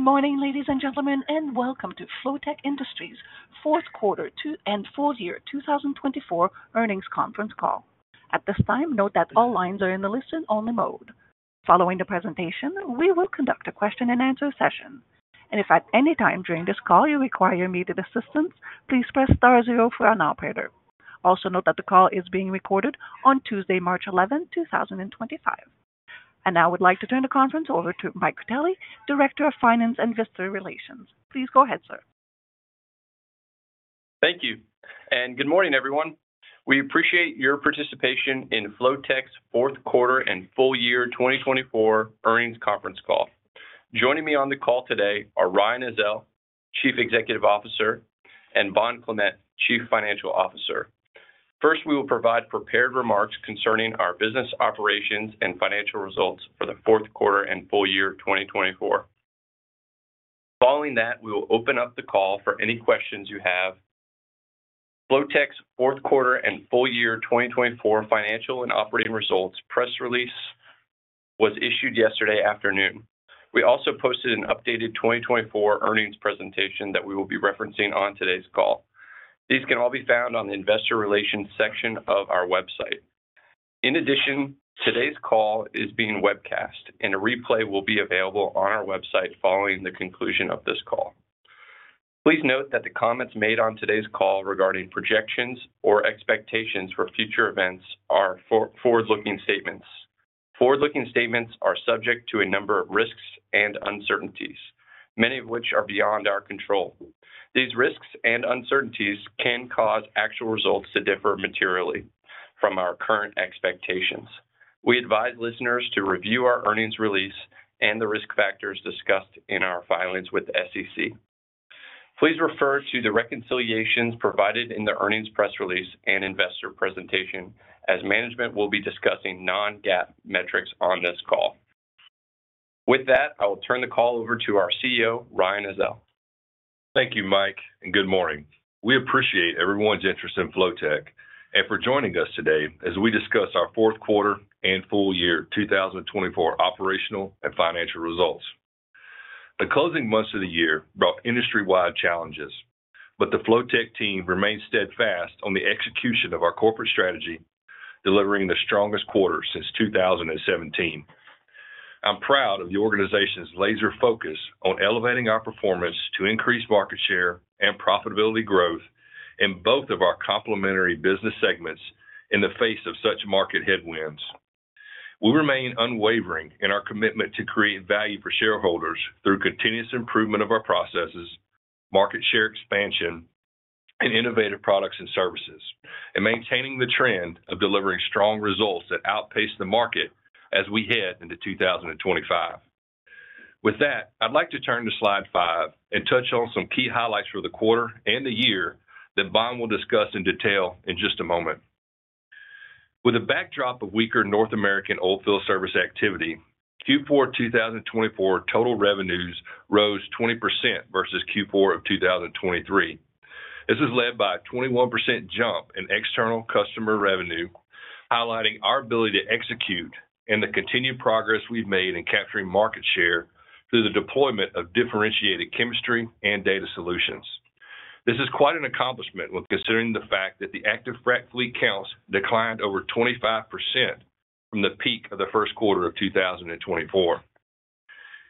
Good morning, ladies and gentlemen, and welcome to Flotek Industries' fourth quarter and full year 2024 earnings conference call. At this time, note that all lines are in the listen-only mode. Following the presentation, we will conduct a question-and-answer session. If at any time during this call you require immediate assistance, please press star zero for an operator. Also note that the call is being recorded on Tuesday, March 11, 2025. Now I would like to turn the conference over to Mike Critelli, Director of Finance and Investor Relations. Please go ahead, sir. Thank you. Good morning, everyone. We appreciate your participation in Flotek's fourth quarter and full year 2024 earnings conference call. Joining me on the call today are Ryan Ezell, Chief Executive Officer, and Bond Clement, Chief Financial Officer. First, we will provide prepared remarks concerning our business operations and financial results for the fourth quarter and full year 2024. Following that, we will open up the call for any questions you have. Flotek's fourth quarter and full year 2024 financial and operating results press release was issued yesterday afternoon. We also posted an updated 2024 earnings presentation that we will be referencing on today's call. These can all be found on the investor relations section of our website. In addition, today's call is being webcast, and a replay will be available on our website following the conclusion of this call. Please note that the comments made on today's call regarding projections or expectations for future events are forward-looking statements. Forward-looking statements are subject to a number of risks and uncertainties, many of which are beyond our control. These risks and uncertainties can cause actual results to differ materially from our current expectations. We advise listeners to review our earnings release and the risk factors discussed in our filings with the SEC. Please refer to the reconciliations provided in the earnings press release and investor presentation, as management will be discussing non-GAAP metrics on this call. With that, I will turn the call over to our CEO, Ryan Ezell. Thank you, Mike, and good morning. We appreciate everyone's interest in Flotek and for joining us today as we discuss our fourth quarter and full year 2024 operational and financial results. The closing months of the year brought industry-wide challenges, but the Flotek team remained steadfast on the execution of our corporate strategy, delivering the strongest quarter since 2017. I'm proud of the organization's laser focus on elevating our performance to increase market share and profitability growth in both of our complementary business segments in the face of such market headwinds. We remain unwavering in our commitment to create value for shareholders through continuous improvement of our processes, market share expansion, and innovative products and services, and maintaining the trend of delivering strong results that outpace the market as we head into 2025. With that, I'd like to turn to slide five and touch on some key highlights for the quarter and the year that Bond will discuss in detail in just a moment. With a backdrop of weaker North American oilfield service activity, Q4 2024 total revenues rose 20% versus Q4 of 2023. This is led by a 21% jump in external customer revenue, highlighting our ability to execute and the continued progress we've made in capturing market share through the deployment of differentiated chemistry and data solutions. This is quite an accomplishment when considering the fact that the active frac fleet counts declined over 25% from the peak of the first quarter of 2024.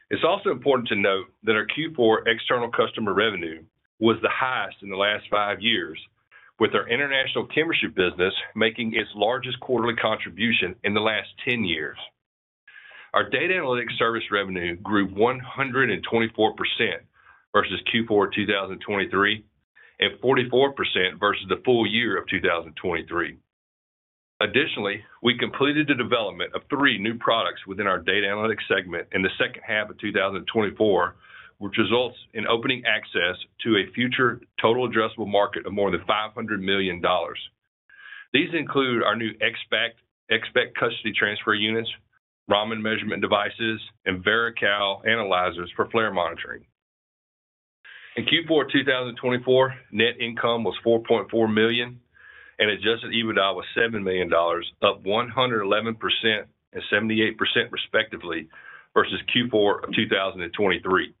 It's also important to note that our Q4 external customer revenue was the highest in the last five years, with our international chemistry business making its largest quarterly contribution in the last 10 years. Our data analytics service revenue grew 124% versus Q4 2023 and 44% versus the full year of 2023. Additionally, we completed the development of three new products within our data analytics segment in the second half of 2024, which results in opening access to a future total addressable market of more than $500 million. These include our new X-Spect custody transfer units, Raman measurement devices, and VeraCal analyzers for flare monitoring. In Q4 2024, net income was $4.4 million, and adjusted EBITDA was $7 million, up 111% and 78% respectively versus Q4 of 2023.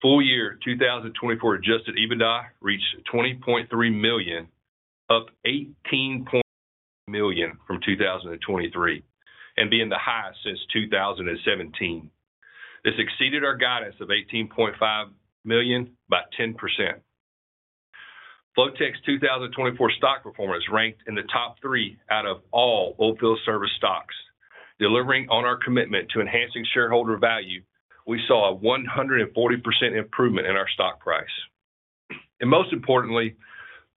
Full year 2024 adjusted EBITDA reached $20.3 million, up $18.8 million from 2023, and being the highest since 2017. This exceeded our guidance of $18.5 million by 10%. Flotek's 2024 stock performance ranked in the top three out of all oilfield service stocks. Delivering on our commitment to enhancing shareholder value, we saw a 140% improvement in our stock price. Most importantly,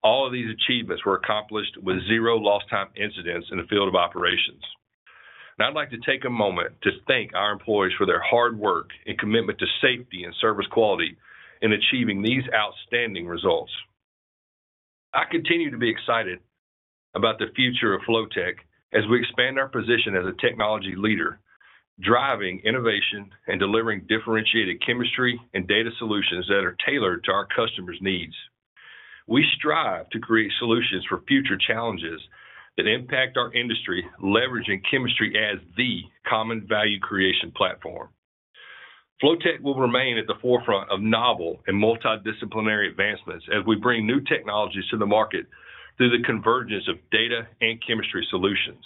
all of these achievements were accomplished with zero lost-time incidents in the field of operations. I would like to take a moment to thank our employees for their hard work and commitment to safety and service quality in achieving these outstanding results. I continue to be excited about the future of Flotek as we expand our position as a technology leader, driving innovation and delivering differentiated chemistry and data solutions that are tailored to our customers' needs. We strive to create solutions for future challenges that impact our industry, leveraging chemistry as the common value creation platform. Flotek will remain at the forefront of novel and multidisciplinary advancements as we bring new technologies to the market through the convergence of data and chemistry solutions.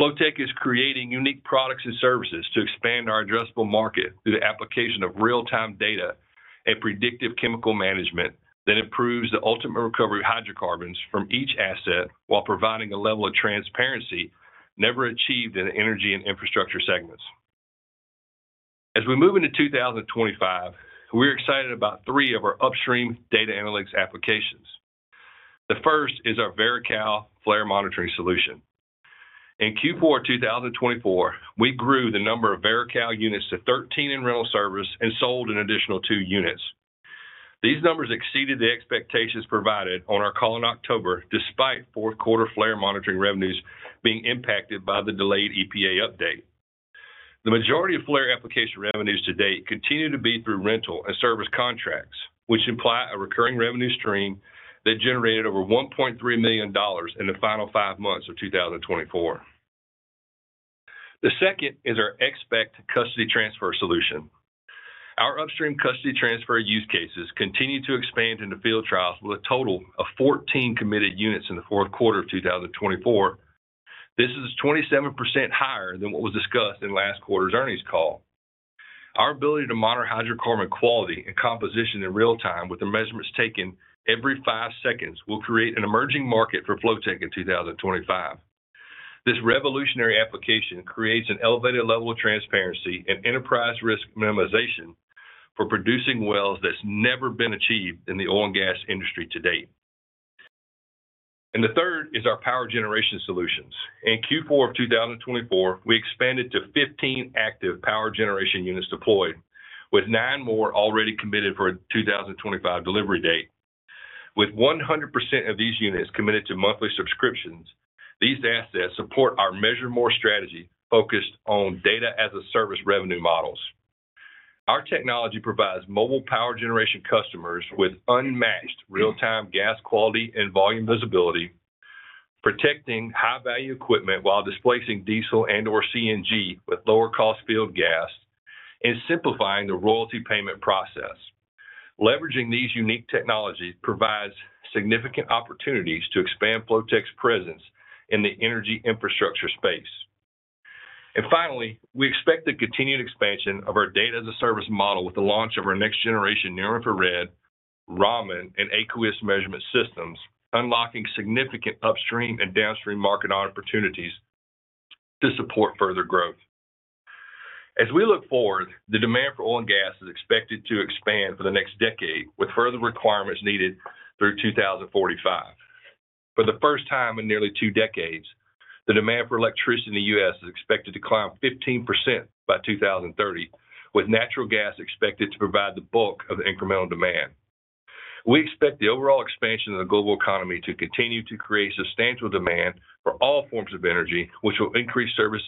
Flotek is creating unique products and services to expand our addressable market through the application of real-time data and predictive chemical management that improves the ultimate recovery of hydrocarbons from each asset while providing a level of transparency never achieved in the energy and infrastructure segments. As we move into 2025, we're excited about three of our upstream data analytics applications. The first is our VeraCal flare monitoring solution. In Q4 2024, we grew the number of VeraCal units to 13 in rental service and sold an additional two units. These numbers exceeded the expectations provided on our call in October, despite fourth quarter flare monitoring revenues being impacted by the delayed EPA update. The majority of flare application revenues to date continue to be through rental and service contracts, which imply a recurring revenue stream that generated over $1.3 million in the final five months of 2024. The second is our X-Spect custody transfer solution. Our upstream custody transfer use cases continue to expand into field trials with a total of 14 committed units in the fourth quarter of 2024. This is 27% higher than what was discussed in last quarter's earnings call. Our ability to monitor hydrocarbon quality and composition in real time with the measurements taken every five seconds will create an emerging market for Flotek in 2025. This revolutionary application creates an elevated level of transparency and enterprise risk minimization for producing wells that's never been achieved in the oil and gas industry to date. The third is our power generation solutions. In Q4 of 2024, we expanded to 15 active power generation units deployed, with nine more already committed for a 2025 delivery date. With 100% of these units committed to monthly subscriptions, these assets support our Measure More strategy focused on data as a service revenue models. Our technology provides mobile power generation customers with unmatched real-time gas quality and volume visibility, protecting high-value equipment while displacing diesel and/or CNG with lower-cost field gas, and simplifying the royalty payment process. Leveraging these unique technologies provides significant opportunities to expand Flotek's presence in the energy infrastructure space. Finally, we expect the continued expansion of our data as a service model with the launch of our next-generation near-infrared Raman and AcuVis measurement systems, unlocking significant upstream and downstream market opportunities to support further growth. As we look forward, the demand for oil and gas is expected to expand for the next decade, with further requirements needed through 2045. For the first time in nearly two decades, the demand for electricity in the U.S. is expected to climb 15% by 2030, with natural gas expected to provide the bulk of the incremental demand. We expect the overall expansion of the global economy to continue to create substantial demand for all forms of energy, which will increase service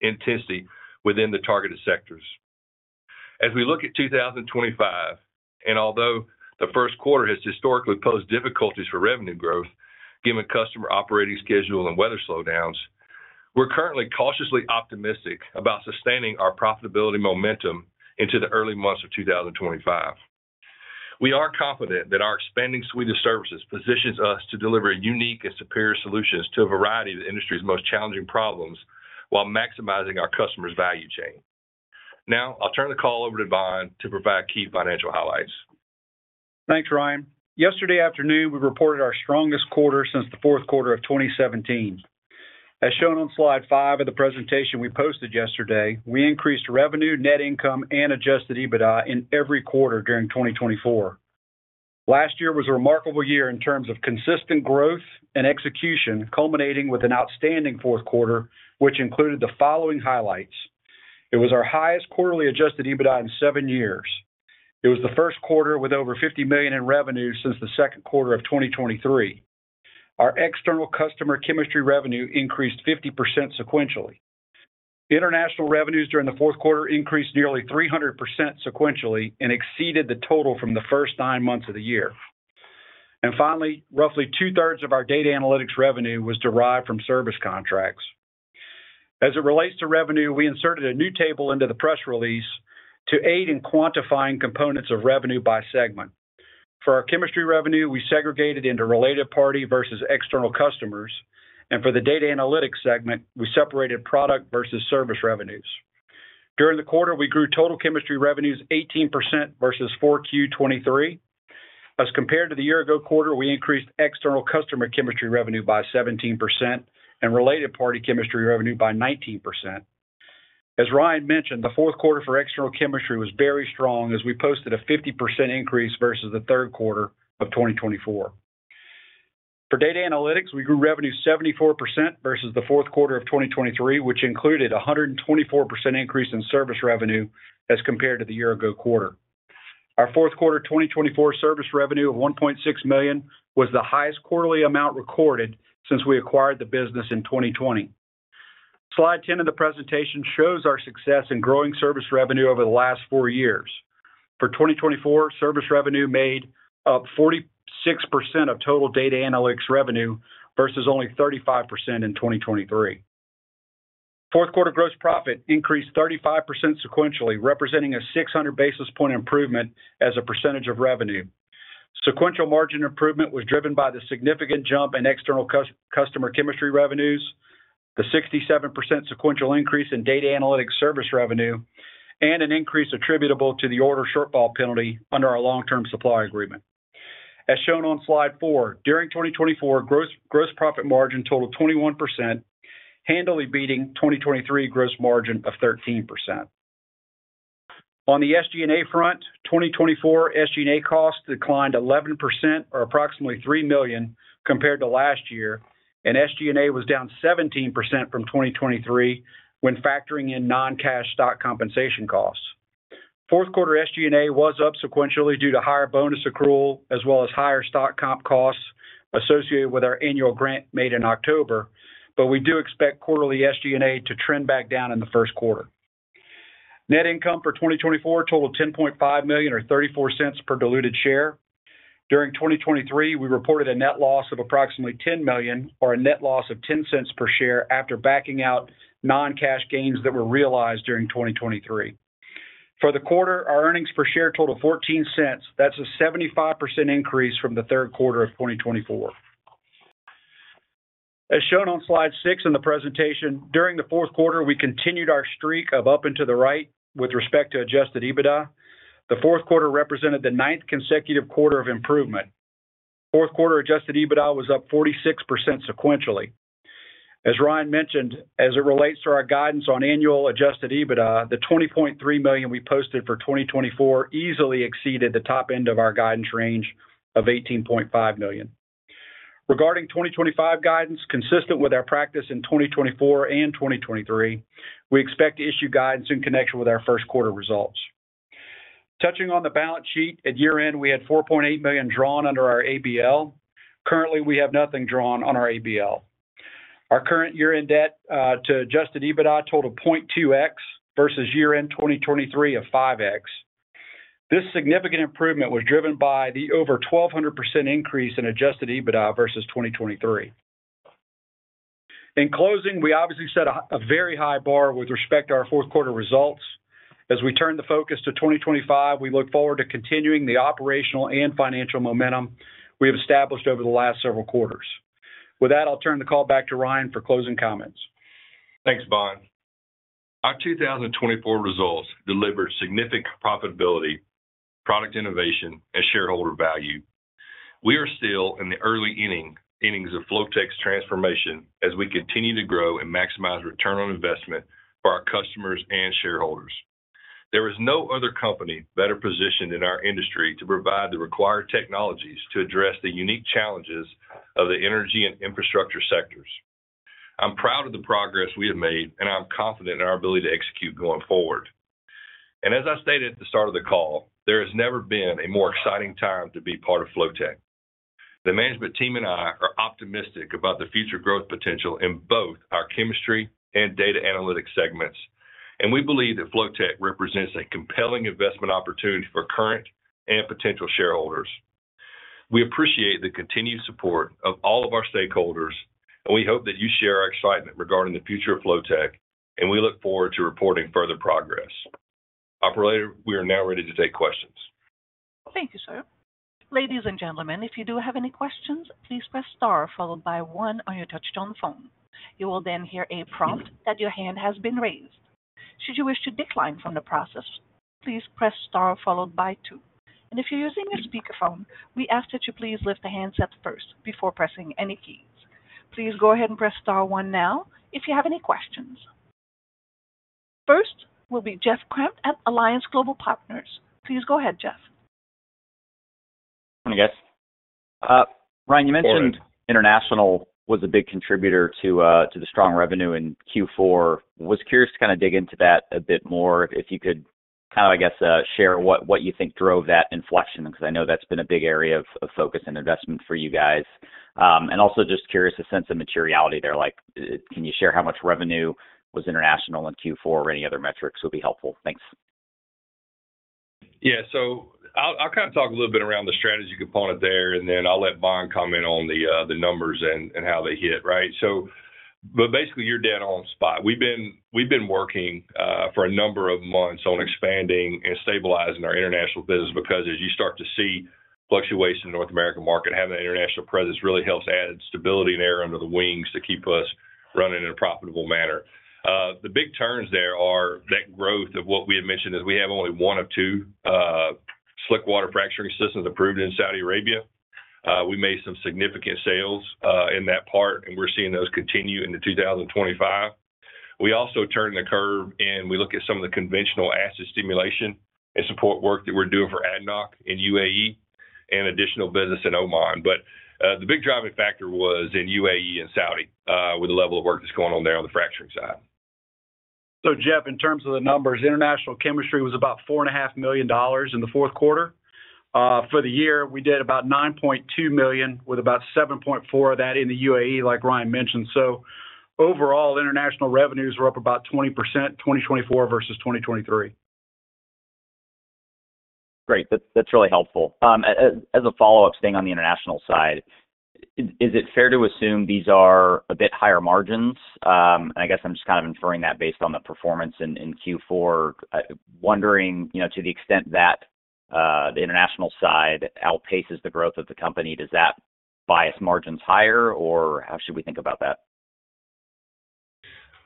intensity within the targeted sectors. As we look at 2025, and although the first quarter has historically posed difficulties for revenue growth given customer operating schedule and weather slowdowns, we're currently cautiously optimistic about sustaining our profitability momentum into the early months of 2025. We are confident that our expanding suite of services positions us to deliver unique and superior solutions to a variety of the industry's most challenging problems while maximizing our customers' value chain. Now, I'll turn the call over to Bond to provide key financial highlights. Thanks, Ryan. Yesterday afternoon, we reported our strongest quarter since the fourth quarter of 2017. As shown on slide five of the presentation we posted yesterday, we increased revenue, net income, and adjusted EBITDA in every quarter during 2024. Last year was a remarkable year in terms of consistent growth and execution, culminating with an outstanding fourth quarter, which included the following highlights. It was our highest quarterly adjusted EBITDA in seven years. It was the first quarter with over $50 million in revenue since the second quarter of 2023. Our external customer chemistry revenue increased 50% sequentially. International revenues during the fourth quarter increased nearly 300% sequentially and exceeded the total from the first nine months of the year. Finally, roughly two-thirds of our data analytics revenue was derived from service contracts. As it relates to revenue, we inserted a new table into the press release to aid in quantifying components of revenue by segment. For our chemistry revenue, we segregated into related party versus external customers. For the data analytics segment, we separated product versus service revenues. During the quarter, we grew total chemistry revenues 18% versus Q4 2023. As compared to the year-ago quarter, we increased external customer chemistry revenue by 17% and related party chemistry revenue by 19%. As Ryan mentioned, the fourth quarter for external chemistry was very strong as we posted a 50% increase versus the third quarter of 2024. For data analytics, we grew revenue 74% versus the fourth quarter of 2023, which included a 124% increase in service revenue as compared to the year-ago quarter. Our fourth quarter 2024 service revenue of $1.6 million was the highest quarterly amount recorded since we acquired the business in 2020. Slide 10 of the presentation shows our success in growing service revenue over the last four years. For 2024, service revenue made up 46% of total data analytics revenue versus only 35% in 2023. Fourth quarter gross profit increased 35% sequentially, representing a 600 basis point improvement as a percentage of revenue. Sequential margin improvement was driven by the significant jump in external customer chemistry revenues, the 67% sequential increase in data analytics service revenue, and an increase attributable to the order shortfall penalty under our long-term supply agreement. As shown on slide four, during 2024, gross profit margin totaled 21%, handily beating 2023 gross margin of 13%. On the SG&A front, 2024 SG&A costs declined 11%, or approximately $3 million, compared to last year, and SG&A was down 17% from 2023 when factoring in non-cash stock compensation costs. Fourth quarter SG&A was up sequentially due to higher bonus accrual as well as higher stock comp costs associated with our annual grant made in October, but we do expect quarterly SG&A to trend back down in the first quarter. Net income for 2024 totaled $10.5 million, or $0.34 per diluted share. During 2023, we reported a net loss of approximately $10 million, or a net loss of $0.10 per share after backing out non-cash gains that were realized during 2023. For the quarter, our earnings per share totaled $0.14. That's a 75% increase from the third quarter of 2024. As shown on slide six in the presentation, during the fourth quarter, we continued our streak of up and to the right with respect to adjusted EBITDA. The fourth quarter represented the ninth consecutive quarter of improvement. Fourth quarter adjusted EBITDA was up 46% sequentially. As Ryan mentioned, as it relates to our guidance on annual adjusted EBITDA, the $20.3 million we posted for 2024 easily exceeded the top end of our guidance range of $18.5 million. Regarding 2025 guidance, consistent with our practice in 2024 and 2023, we expect to issue guidance in connection with our first quarter results. Touching on the balance sheet, at year-end, we had $4.8 million drawn under our ABL. Currently, we have nothing drawn on our ABL. Our current year-end debt to adjusted EBITDA totaled 0.2x versus year-end 2023 of 5x. This significant improvement was driven by the over 1,200% increase in adjusted EBITDA versus 2023. In closing, we obviously set a very high bar with respect to our fourth quarter results. As we turn the focus to 2025, we look forward to continuing the operational and financial momentum we have established over the last several quarters. With that, I'll turn the call back to Ryan for closing comments. Thanks, Bond. Our 2024 results delivered significant profitability, product innovation, and shareholder value. We are still in the early innings of Flotek's transformation as we continue to grow and maximize return on investment for our customers and shareholders. There is no other company better positioned in our industry to provide the required technologies to address the unique challenges of the energy and infrastructure sectors. I'm proud of the progress we have made, and I'm confident in our ability to execute going forward. As I stated at the start of the call, there has never been a more exciting time to be part of Flotek. The management team and I are optimistic about the future growth potential in both our chemistry and data analytics segments, and we believe that Flotek represents a compelling investment opportunity for current and potential shareholders. We appreciate the continued support of all of our stakeholders, and we hope that you share our excitement regarding the future of Flotek, and we look forward to reporting further progress. Operator, we are now ready to take questions. Thank you, sir. Ladies and gentlemen, if you do have any questions, please press star followed by one on your touch-tone phone. You will then hear a prompt that your hand has been raised. Should you wish to decline from the process, please press star followed by two. If you're using your speakerphone, we ask that you please lift the handset up first before pressing any keys. Please go ahead and press star one now if you have any questions. First will be Jeff Grampp at Alliance Global Partners. Please go ahead, Jeff. Morning, guys. Ryan, you mentioned international was a big contributor to the strong revenue in Q4. I was curious to kind of dig into that a bit more. If you could kind of, I guess, share what you think drove that inflection, because I know that's been a big area of focus and investment for you guys. Also just curious to sense the materiality there. Can you share how much revenue was international in Q4, or any other metrics would be helpful? Thanks. Yeah. I'll kind of talk a little bit around the strategy component there, and then I'll let Bond comment on the numbers and how they hit, right? Basically, you're dead on spot. We've been working for a number of months on expanding and stabilizing our international business because as you start to see fluctuation in the North American market, having an international presence really helps add stability there under the wings to keep us running in a profitable manner. The big turns there are that growth of what we had mentioned is we have only one of two slickwater fracturing systems approved in Saudi Arabia. We made some significant sales in that part, and we're seeing those continue into 2025. We also turned the curve and we look at some of the conventional asset stimulation and support work that we're doing for ADNOC and UAE and additional business in Oman. The big driving factor was in UAE and Saudi with the level of work that's going on there on the fracturing side. Jeff, in terms of the numbers, international chemistry was about $4.5 million in the fourth quarter. For the year, we did about $9.2 million with about $7.4 million of that in the UAE, like Ryan mentioned. Overall, international revenues were up about 20% 2024 versus 2023. Great. That's really helpful. As a follow-up, staying on the international side, is it fair to assume these are a bit higher margins? I guess I'm just kind of inferring that based on the performance in Q4. Wondering to the extent that the international side outpaces the growth of the company, does that bias margins higher, or how should we think about that?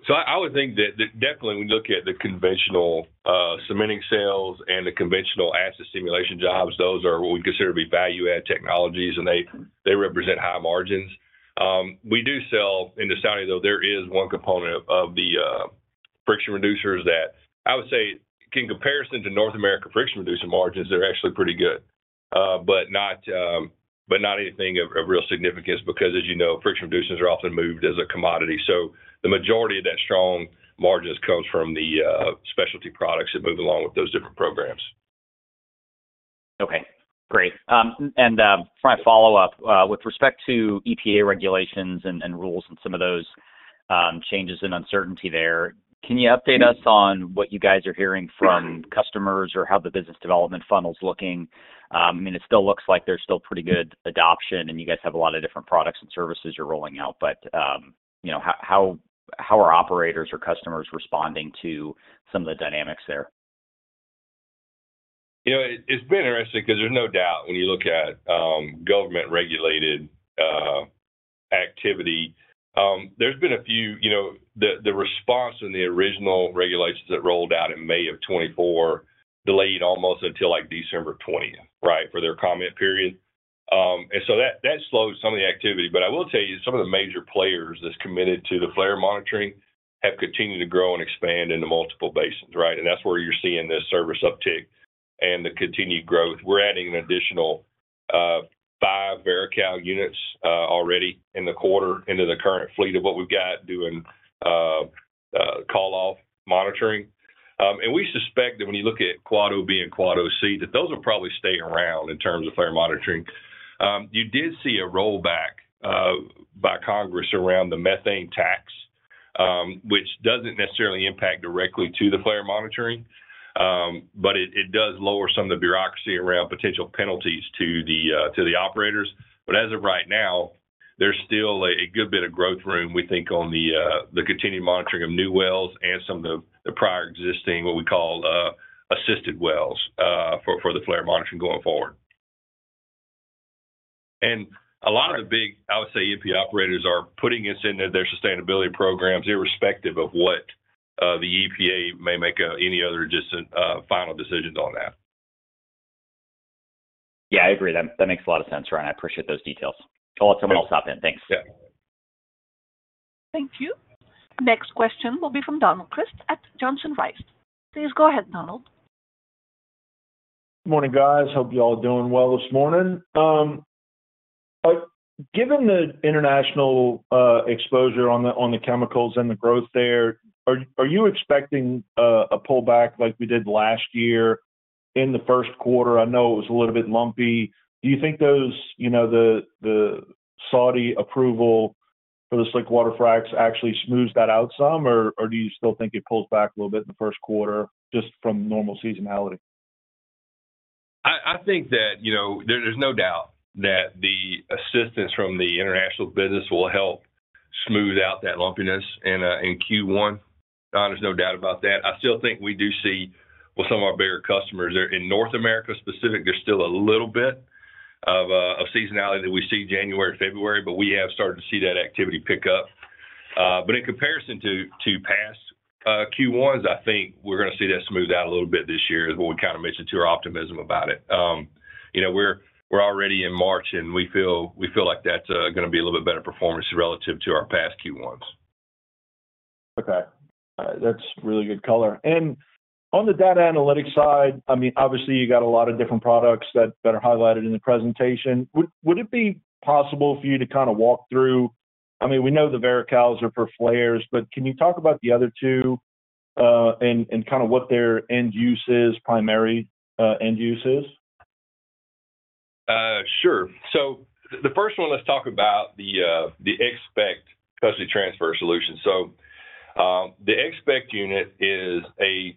I would think that definitely when you look at the conventional cementing sales and the conventional asset stimulation jobs, those are what we consider to be value-add technologies, and they represent high margins. We do sell into Saudi, though there is one component of the friction reducers that I would say in comparison to North America friction reducer margins, they're actually pretty good, but not anything of real significance because, as you know, friction reducers are often moved as a commodity. The majority of that strong margins comes from the specialty products that move along with those different programs. Okay. Great. For my follow-up, with respect to EPA regulations and rules and some of those changes and uncertainty there, can you update us on what you guys are hearing from customers or how the business development funnel's looking? I mean, it still looks like there's still pretty good adoption, and you guys have a lot of different products and services you're rolling out. How are operators or customers responding to some of the dynamics there? It's been interesting because there's no doubt when you look at government-regulated activity, there's been a few. The response in the original regulations that rolled out in May of 2024 delayed almost until December 20, right, for their comment period. That slowed some of the activity. I will tell you, some of the major players that's committed to the flare monitoring have continued to grow and expand into multiple basins, right? That's where you're seeing this service uptick and the continued growth. We're adding an additional five VeraCal units already in the quarter into the current fleet of what we've got doing call-off monitoring. We suspect that when you look at Quad Ob and Quad Oc, those will probably stay around in terms of flare monitoring. You did see a rollback by Congress around the methane tax, which does not necessarily impact directly to the flare monitoring, but it does lower some of the bureaucracy around potential penalties to the operators. As of right now, there is still a good bit of growth room, we think, on the continued monitoring of new wells and some of the prior existing, what we call assisted wells for the flare monitoring going forward. A lot of the big, I would say, EPA operators are putting this into their sustainability programs irrespective of what the EPA may make any other just final decisions on that. Yeah, I agree. That makes a lot of sense, Ryan. I appreciate those details. I'll let someone else hop in. Thanks. Yeah. Thank you. Next question will be from Donald Carson at Johnson Rice. Please go ahead, Donald. Good morning, guys. Hope you all doing well this morning. Given the international exposure on the chemicals and the growth there, are you expecting a pullback like we did last year in the first quarter? I know it was a little bit lumpy. Do you think the Saudi approval for slickwater fracturing actually smooths that out some, or do you still think it pulls back a little bit in the first quarter just from normal seasonality? I think that there's no doubt that the assistance from the international business will help smooth out that lumpiness in Q1. There's no doubt about that. I still think we do see with some of our bigger customers in North America specific, there's still a little bit of seasonality that we see January, February, but we have started to see that activity pick up. In comparison to past Q1s, I think we're going to see that smooth out a little bit this year is what we kind of mentioned to our optimism about it. We're already in March, and we feel like that's going to be a little bit better performance relative to our past Q1s. Okay. That's really good color. On the data analytics side, I mean, obviously, you got a lot of different products that are highlighted in the presentation. Would it be possible for you to kind of walk through? I mean, we know the VeraCals are for flares, but can you talk about the other two and kind of what their end use is, primary end use is? Sure. The first one, let's talk about the X-Spect custody transfer solution. The X-Spect unit is a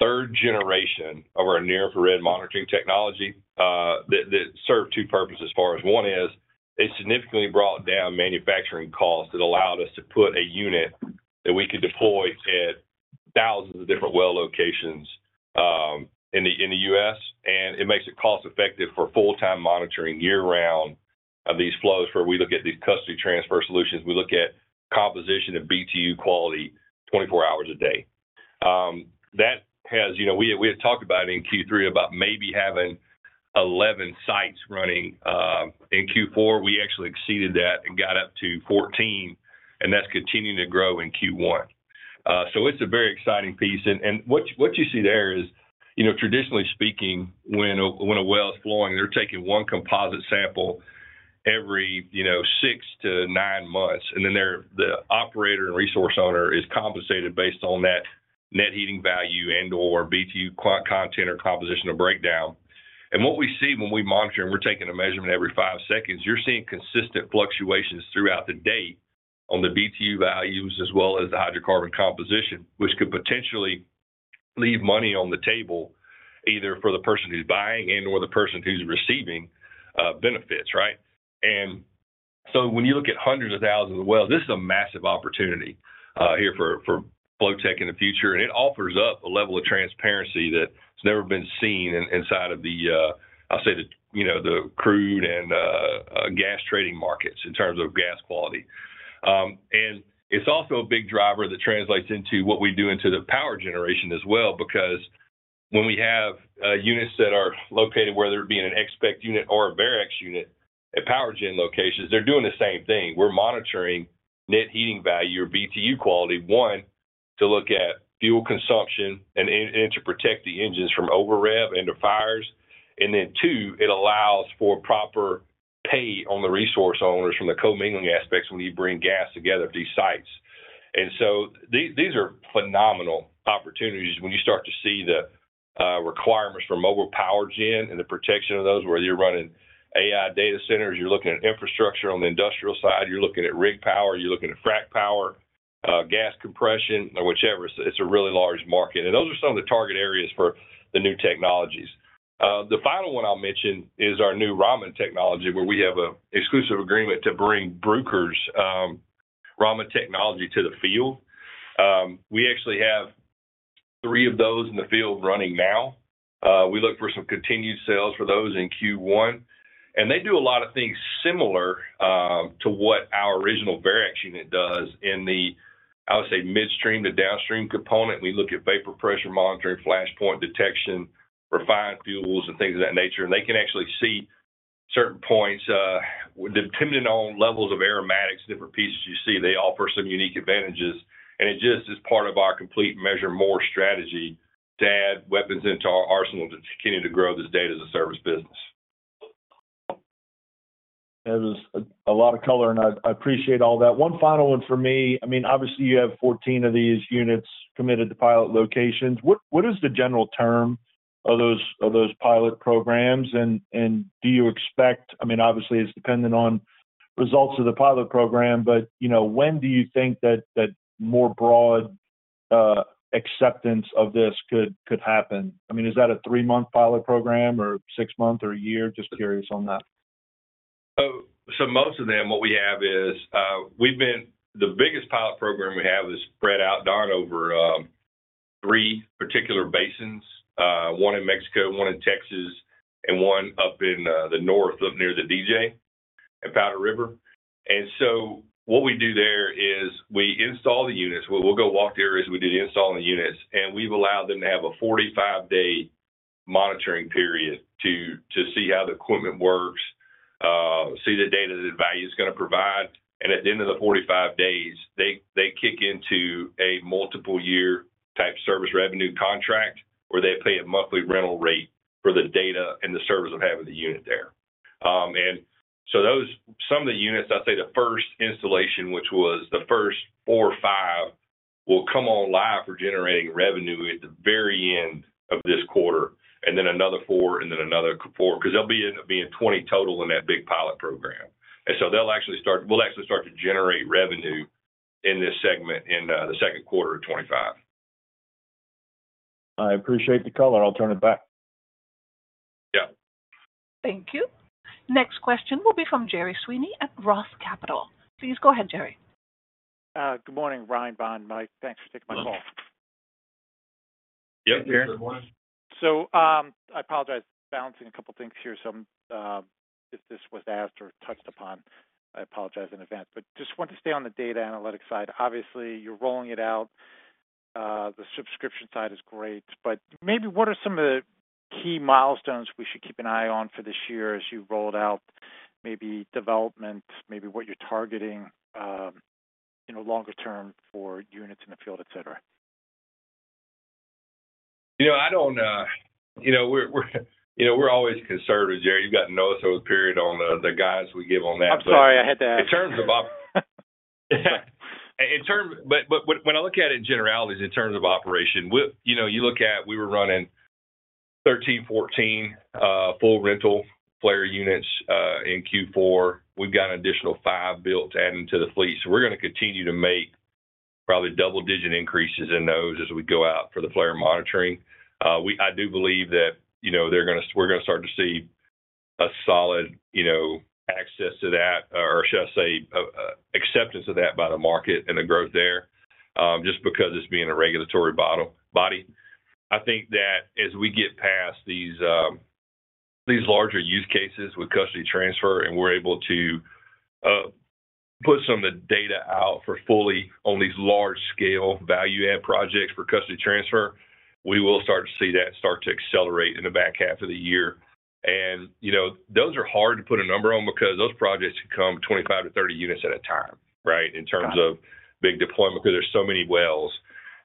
third-generation of our near-infrared monitoring technology that serves two purposes for us. One is it significantly brought down manufacturing costs that allowed us to put a unit that we could deploy at thousands of different well locations in the US, and it makes it cost-effective for full-time monitoring year-round of these flows where we look at these custody transfer solutions. We look at composition of BTU quality 24 hours a day. We had talked about it in Q3 about maybe having 11 sites running. In Q4, we actually exceeded that and got up to 14, and that's continuing to grow in Q1. It's a very exciting piece. What you see there is, traditionally speaking, when a well is flowing, they're taking one composite sample every six to nine months, and then the operator and resource owner is compensated based on that net heating value and/or BTU content or compositional breakdown. What we see when we monitor and we're taking a measurement every five seconds, you're seeing consistent fluctuations throughout the day on the BTU values as well as the hydrocarbon composition, which could potentially leave money on the table either for the person who's buying and/or the person who's receiving benefits, right? When you look at hundreds of thousands of wells, this is a massive opportunity here for Flotek in the future, and it offers up a level of transparency that's never been seen inside of the, I'll say, the crude and gas trading markets in terms of gas quality. It is also a big driver that translates into what we do into the power generation as well because when we have units that are located, whether it be an X-Spect unit or a VeraCal unit at PowerGen locations, they are doing the same thing. We are monitoring net heating value or BTU quality, one, to look at fuel consumption and to protect the engines from overrev and the fires. Two, it allows for proper pay on the resource owners from the co-mingling aspects when you bring gas together at these sites. These are phenomenal opportunities when you start to see the requirements for mobile PowerGen and the protection of those where you are running AI data centers, you are looking at infrastructure on the industrial side, you are looking at rig power, you are looking at frac power, gas compression, or whichever. It is a really large market. Those are some of the target areas for the new technologies. The final one I'll mention is our new Raman technology where we have an exclusive agreement to bring Bruker's Raman technology to the field. We actually have three of those in the field running now. We look for some continued sales for those in Q1. They do a lot of things similar to what our original VeraCal unit does in the, I would say, midstream to downstream component. We look at vapor pressure monitoring, flashpoint detection, refined fuels, and things of that nature. They can actually see certain points depending on levels of aromatics, different pieces you see. They offer some unique advantages. It just is part of our complete Measure More strategy to add weapons into our arsenal to continue to grow this data as a service business. That is a lot of color, and I appreciate all that. One final one for me. I mean, obviously, you have 14 of these units committed to pilot locations. What is the general term of those pilot programs? And do you expect, I mean, obviously, it's dependent on results of the pilot program, but when do you think that more broad acceptance of this could happen? I mean, is that a three-month pilot program or six-month or a year? Just curious on that. Most of them, what we have is the biggest pilot program we have is spread out down over three particular basins, one in Mexico, one in Texas, and one up in the north, up near the DJ and Powder River. What we do there is we install the units. We'll go walk through areas we did installing the units, and we've allowed them to have a 45-day monitoring period to see how the equipment works, see the data that value is going to provide. At the end of the 45 days, they kick into a multiple-year type service revenue contract where they pay a monthly rental rate for the data and the service of having the unit there. Some of the units, I'd say the first installation, which was the first four or five, will come on live for generating revenue at the very end of this quarter, and then another four, and then another four because there will be 20 total in that big pilot program. They will actually start, we will actually start to generate revenue in this segment in the second quarter of 2025. I appreciate the color. I'll turn it back. Yeah. Thank you. Next question will be from Gerry Sweeney at Roth Capital. Please go ahead, Gerry. Good morning, Ryan, Bond, Mike. Thanks for taking my call. Yep. Gerry. Good morning. I apologize. Balancing a couple of things here. If this was asked or touched upon, I apologize in advance. Just want to stay on the data analytics side. Obviously, you're rolling it out. The subscription side is great. Maybe what are some of the key milestones we should keep an eye on for this year as you roll it out, maybe development, maybe what you're targeting longer term for units in the field, etc.? I don't think we're always conservative, Gerry. You've gotten an good period on the guys we give on that. I'm sorry. I had to ask. In terms of operations, when I look at it in generalities, in terms of operation, you look at we were running 13, 14 full rental flare units in Q4. We've got an additional five built to add into the fleet. We are going to continue to make probably double-digit increases in those as we go out for the flare monitoring. I do believe that we are going to start to see a solid access to that, or should I say acceptance of that by the market and the growth there just because it's being a regulatory body. I think that as we get past these larger use cases with custody transfer and we are able to put some of the data out fully on these large-scale value-add projects for custody transfer, we will start to see that start to accelerate in the back half of the year. Those are hard to put a number on because those projects can come 25-30 units at a time, right, in terms of big deployment because there are so many wells.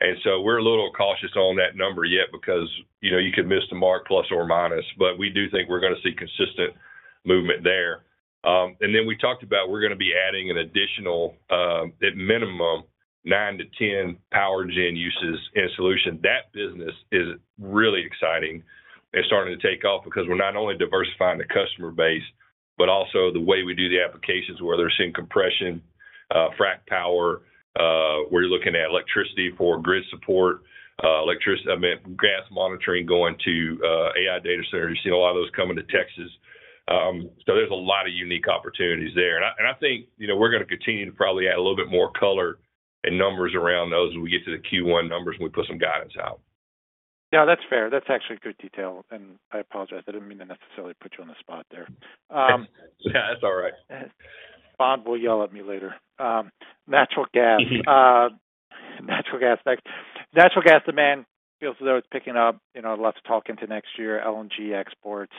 We are a little cautious on that number yet because you could miss the mark plus or minus. We do think we are going to see consistent movement there. We talked about adding an additional, at minimum, nine to ten PowerGen uses in solution. That business is really exciting and starting to take off because we are not only diversifying the customer base, but also the way we do the applications where they are seeing compression, frac power, where you are looking at electricity for grid support, gas monitoring going to AI data centers. You have seen a lot of those coming to Texas. There are a lot of unique opportunities there. I think we're going to continue to probably add a little bit more color and numbers around those when we get to the Q1 numbers and we put some guidance out. Yeah, that's fair. That's actually good detail. I apologize. I didn't mean to necessarily put you on the spot there. Yeah, that's all right. Bond will yell at me later. Natural gas. Natural gas next. Natural gas demand feels as though it's picking up. Lots of talk into next year, LNG exports.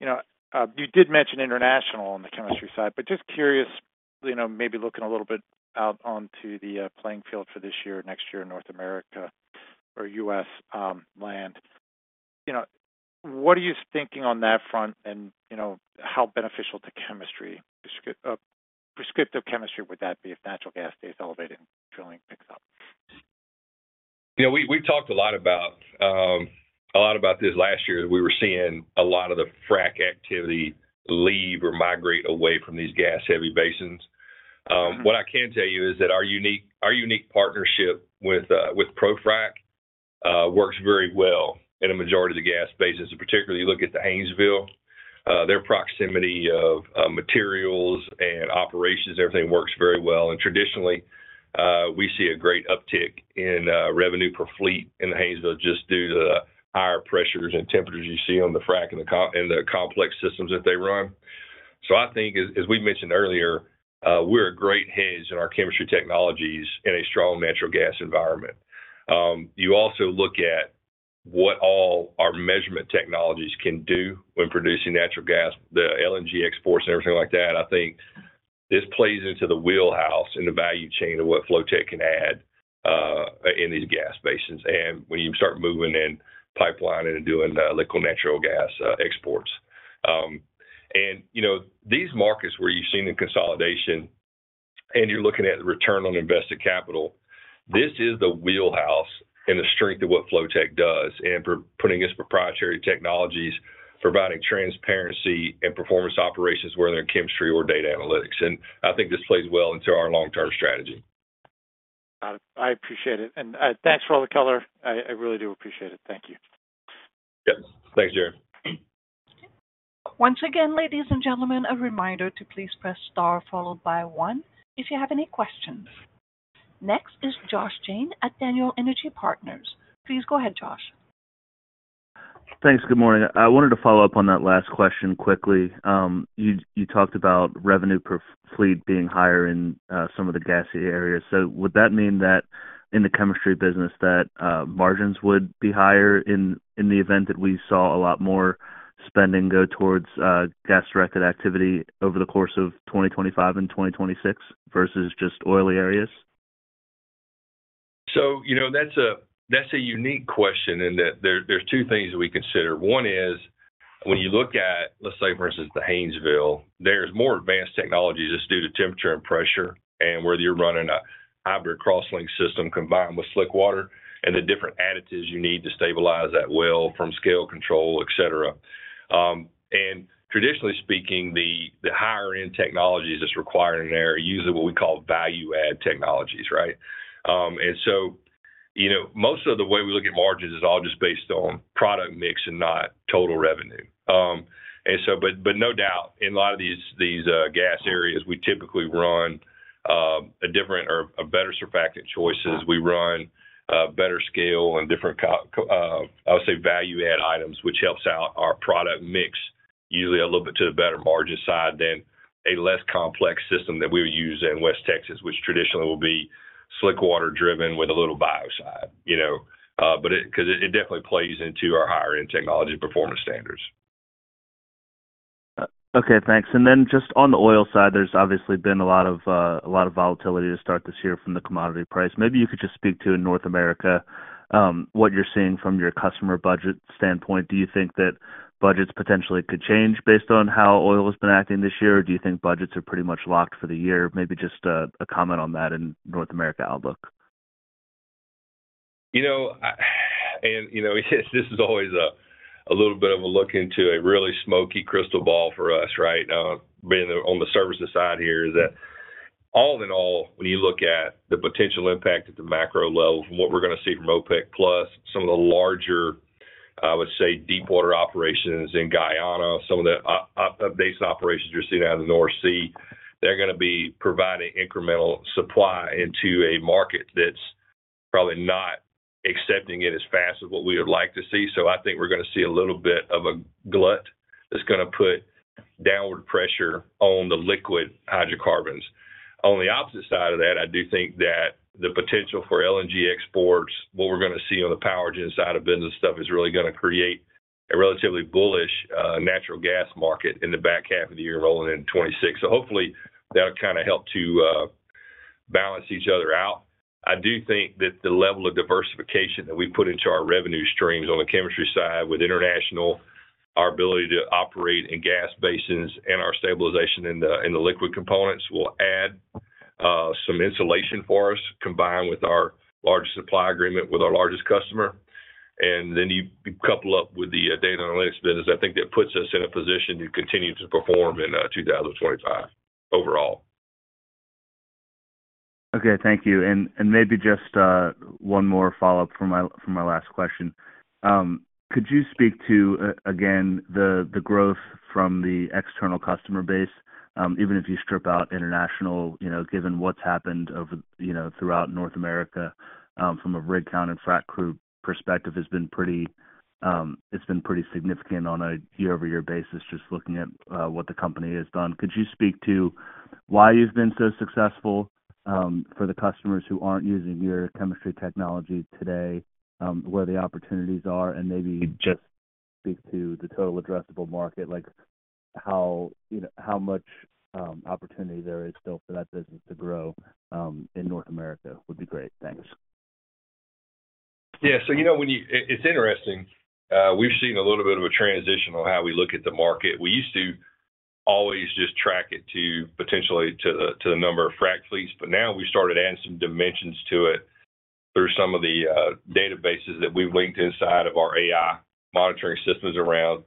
You did mention international on the chemistry side, but just curious, maybe looking a little bit out onto the playing field for this year, next year, North America or US land. What are you thinking on that front and how beneficial to chemistry? Prescriptive chemistry would that be if natural gas stays elevated and drilling picks up? We've talked a lot about this last year. We were seeing a lot of the frac activity leave or migrate away from these gas-heavy basins. What I can tell you is that our unique partnership with ProFrac works very well in a majority of the gas basins, and particularly you look at the Haynesville, their proximity of materials and operations, everything works very well. Traditionally, we see a great uptick in revenue per fleet in the Haynesville just due to the higher pressures and temperatures you see on the frac and the complex systems that they run. I think, as we mentioned earlier, we're a great hedge in our chemistry technologies in a strong natural gas environment. You also look at what all our measurement technologies can do when producing natural gas, the LNG exports and everything like that. I think this plays into the wheelhouse and the value chain of what Flotek can add in these gas basins and when you start moving and pipelining and doing liquefied natural gas exports. In these markets where you've seen the consolidation and you're looking at the return on invested capital, this is the wheelhouse and the strength of what Flotek does and putting its proprietary technologies, providing transparency and performance operations whether in chemistry or data analytics. I think this plays well into our long-term strategy. Got it. I appreciate it. Thanks for all the color. I really do appreciate it. Thank you. Yep. Thanks, Gerry. Once again, ladies and gentlemen, a reminder to please press star followed by one if you have any questions. Next is Josh Jayne at Daniel Energy Partners. Please go ahead, Josh. Thanks. Good morning. I wanted to follow up on that last question quickly. You talked about revenue per fleet being higher in some of the gas areas. Would that mean that in the chemistry business that margins would be higher in the event that we saw a lot more spending go towards gas-directed activity over the course of 2025 and 2026 versus just oily areas? That's a unique question in that there's two things that we consider. One is when you look at, let's say, for instance, the Haynesville, there's more advanced technologies just due to temperature and pressure and whether you're running a hybrid crosslink system combined with slickwater and the different additives you need to stabilize that well from scale control, etc. Traditionally speaking, the higher-end technologies that's required in there are usually what we call value-add technologies, right? Most of the way we look at margins is all just based on product mix and not total revenue. No doubt, in a lot of these gas areas, we typically run a different or a better surfactant choices. We run better scale and different, I would say, value-add items, which helps out our product mix usually a little bit to the better margin side than a less complex system that we would use in West Texas, which traditionally will be slickwater driven with a little biocide. Because it definitely plays into our higher-end technology performance standards. Okay. Thanks. Then just on the oil side, there's obviously been a lot of volatility to start this year from the commodity price. Maybe you could just speak to in North America what you're seeing from your customer budget standpoint. Do you think that budgets potentially could change based on how oil has been acting this year, or do you think budgets are pretty much locked for the year? Maybe just a comment on that and North America outlook. This is always a little bit of a look into a really smoky crystal ball for us, right? Being on the services side here is that all in all, when you look at the potential impact at the macro level from what we're going to see from OPEC Plus, some of the larger, I would say, deep water operations in Guyana, some of the updates and operations you're seeing out of the North Sea, they're going to be providing incremental supply into a market that's probably not accepting it as fast as what we would like to see. I think we're going to see a little bit of a glut that's going to put downward pressure on the liquid hydrocarbons. On the opposite side of that, I do think that the potential for LNG exports, what we're going to see on the power gen side of business stuff is really going to create a relatively bullish natural gas market in the back half of the year rolling into 2026. Hopefully, that'll kind of help to balance each other out. I do think that the level of diversification that we put into our revenue streams on the chemistry side with international, our ability to operate in gas basins and our stabilization in the liquid components will add some insulation for us combined with our large supply agreement with our largest customer. You couple that with the data analytics business, I think that puts us in a position to continue to perform in 2025 overall. Okay. Thank you. Maybe just one more follow-up from my last question. Could you speak to, again, the growth from the external customer base, even if you strip out international, given what's happened throughout North America from a rig count and frac crew perspective, has been pretty significant on a year-over-year basis just looking at what the company has done? Could you speak to why you've been so successful for the customers who aren't using your chemistry technology today, where the opportunities are, and maybe just speak to the total addressable market, like how much opportunity there is still for that business to grow in North America would be great. Thanks. Yeah. So it's interesting. We've seen a little bit of a transition on how we look at the market. We used to always just track it potentially to the number of frac fleets, but now we've started adding some dimensions to it through some of the databases that we've linked inside of our AI monitoring systems around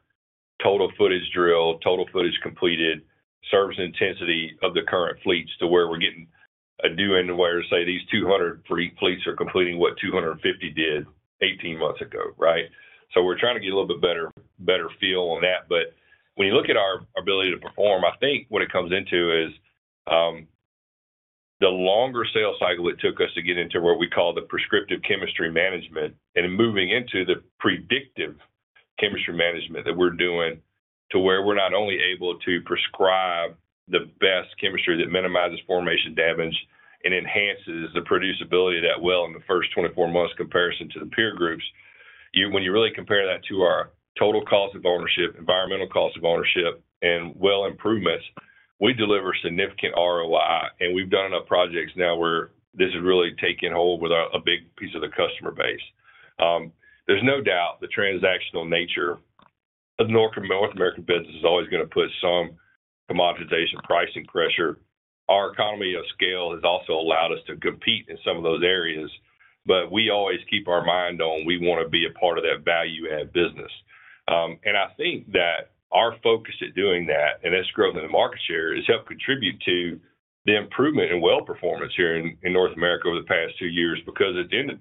total footage drilled, total footage completed, service intensity of the current fleets to where we're getting a dividend where say these 200 fleets are completing what 250 did 18 months ago, right? So we're trying to get a little bit better feel on that. When you look at our ability to perform, I think what it comes into is the longer sales cycle it took us to get into what we call the prescriptive chemistry management and moving into the predictive chemistry management that we're doing to where we're not only able to prescribe the best chemistry that minimizes formation damage and enhances the producibility of that well in the first 24 months comparison to the peer groups. When you really compare that to our total cost of ownership, environmental cost of ownership, and well improvements, we deliver significant ROI. We've done enough projects now where this has really taken hold with a big piece of the customer base. There's no doubt the transactional nature of North American business is always going to put some commoditization pricing pressure. Our economy of scale has also allowed us to compete in some of those areas, but we always keep our mind on we want to be a part of that value-add business. I think that our focus at doing that, and that's growth in the market share, has helped contribute to the improvement in well performance here in North America over the past two years because at the end of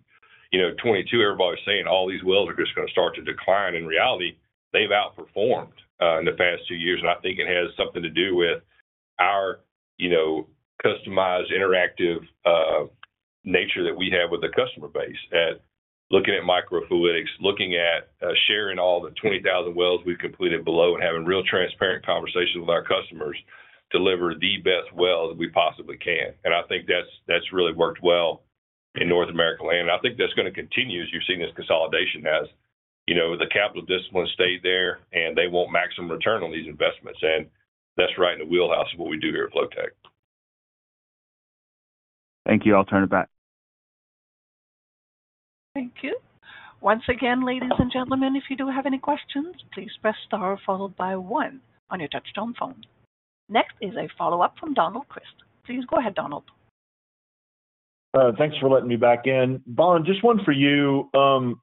2022, everybody was saying all these wells are just going to start to decline. In reality, they've outperformed in the past two years. I think it has something to do with our customized interactive nature that we have with the customer base at looking at microfluidics, looking at sharing all the 20,000 wells we've completed below and having real transparent conversations with our customers deliver the best well that we possibly can. I think that's really worked well in North America land. I think that's going to continue as you've seen this consolidation as the capital discipline stayed there and they want maximum return on these investments. That's right in the wheelhouse of what we do here at Flotek. Thank you. I'll turn it back. Thank you. Once again, ladies and gentlemen, if you do have any questions, please press star followed by one on your touchstone phone. Next is a follow-up from Donald Carson. Please go ahead, Donald. Thanks for letting me back in. Bond, just one for you.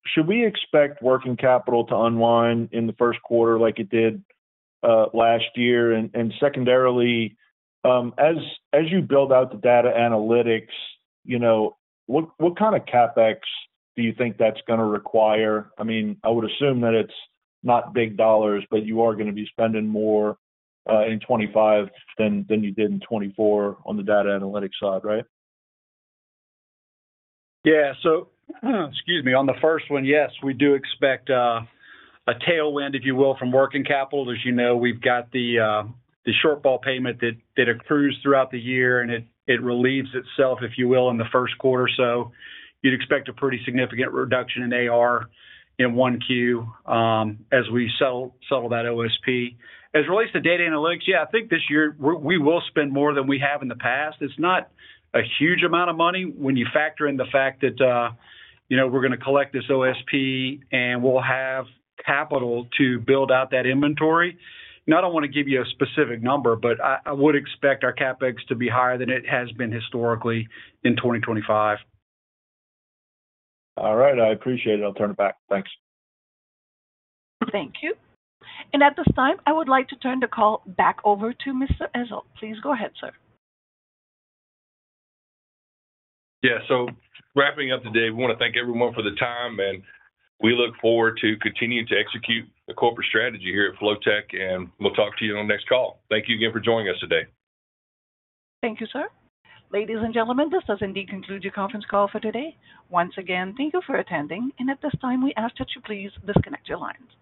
Should we expect working capital to unwind in the first quarter like it did last year? Secondarily, as you build out the data analytics, what kind of CapEx do you think that's going to require? I mean, I would assume that it's not big dollars, but you are going to be spending more in 2025 than you did in 2024 on the data analytics side, right? Yeah. Excuse me. On the first one, yes, we do expect a tailwind, if you will, from working capital. As you know, we've got the shortfall payment that accrues throughout the year, and it relieves itself, if you will, in the first quarter. You'd expect a pretty significant reduction in AR in one queue as we settle that OSP. As it relates to data analytics, yeah, I think this year we will spend more than we have in the past. It's not a huge amount of money when you factor in the fact that we're going to collect this OSP and we'll have capital to build out that inventory. Now, I don't want to give you a specific number, but I would expect our CapEx to be higher than it has been historically in 2025. All right. I appreciate it. I'll turn it back. Thanks. Thank you. At this time, I would like to turn the call back over to Mr. Ezell. Please go ahead, sir. Yeah. Wrapping up today, we want to thank everyone for the time, and we look forward to continuing to execute the corporate strategy here at Flotek, and we'll talk to you on the next call. Thank you again for joining us today. Thank you, sir. Ladies and gentlemen, this does indeed conclude your conference call for today. Once again, thank you for attending, and at this time, we ask that you please disconnect your lines.